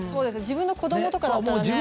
自分の子どもとかだったらね。